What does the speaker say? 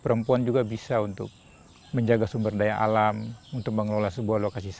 perempuan juga bisa untuk menjaga sumber daya alam untuk mengelola sebuah lokasi